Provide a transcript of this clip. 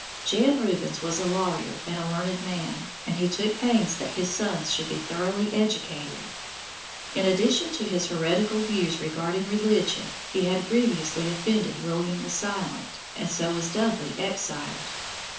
Jan Rubens was a lawyer and a learned man, and he took pains that his sons should be thoroughly educated. In addition to his heretical views regarding religion he had grievously offended William the Silent and so was doubly exiled.